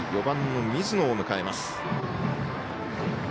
４番の水野を迎えます。